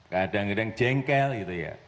kadang kadang jengkel gitu ya